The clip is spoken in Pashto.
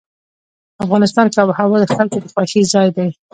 افغانستان کې آب وهوا د خلکو د خوښې ځای دی.